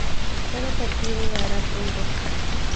Cada partido dará puntos.